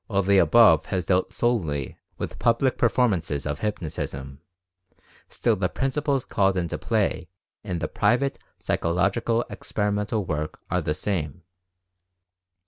While the above has dealt solely with public per formances of hypnotism, still the principles called into play in the private psychological experimental work are the same.